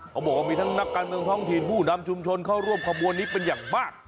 เขาบอกว่ามีทั้งนักการเมืองท้องถิ่นผู้นำชุมชนเข้าร่วมขบวนนี้เป็นอย่างมาก